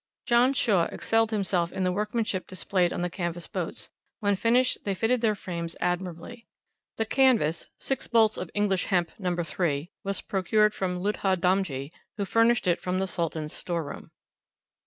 John Shaw excelled himself in the workmanship displayed on the canvas boats; when finished, they fitted their frames admirably. The canvas six bolts of English hemp, No. 3 was procured from Ludha Damji, who furnished it from the Sultan's storeroom.